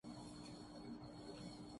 وہ باڑہ جس کا میں نے ذکر کیا ہے